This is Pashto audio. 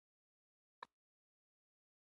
د پنجشیر په عنابه کې د سپینو زرو نښې شته.